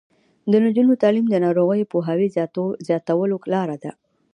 د نجونو تعلیم د ناروغیو پوهاوي زیاتولو لاره ده.